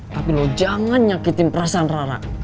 tapi loh jangan nyakitin perasaan rara